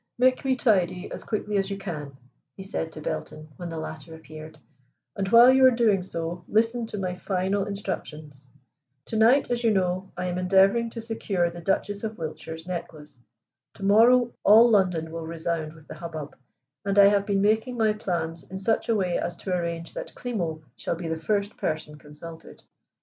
"Make me tidy as quickly as you can," he said to Belton when the latter appeared, "and while you are doing so listen to my final instructions." "To night, as you know, I am endeavoring to secure the Duchess of Wiltshire's necklace. To morrow all London will resound with the hubbub, and I have been making my plans in such a way as to arrange that Klimo shall be the first person consulted.